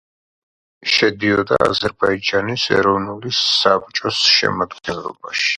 შედიოდა აზერბაიჯანის ეროვნული საბჭოს შემადგენლობაში.